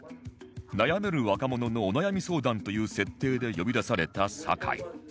悩める若者のお悩み相談という設定で呼び出された酒井